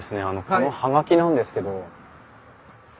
この葉書なんですけど。